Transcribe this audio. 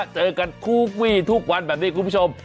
เจอกันทุกวี่ทุกวันแบบนี้คุณผู้ชม